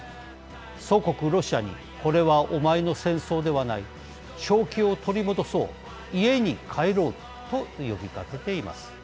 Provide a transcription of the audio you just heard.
祖国ロシアに「これはお前の戦争ではない正気を取り戻そう、家に帰ろう」と呼びかけています。